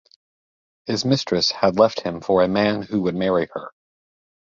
His mistress had left him for a man who would marry her.